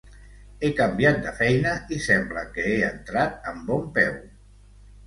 He canviat de feina i sembla que he entrat amb bon peu.